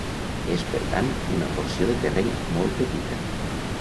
És, per tant, una porció de terreny molt petita.